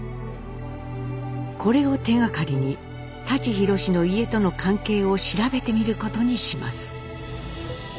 これを手がかりに舘ひろしの家との関係を調べてみることにします。